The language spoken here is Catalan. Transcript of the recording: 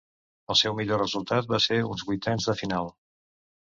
El seu millor resultat va ser uns vuitens de final.